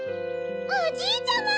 おじいちゃま！